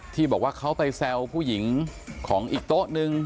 ที่บอกว่าเขาไปแซวผู้หญิงของอีกโต๊ะนึง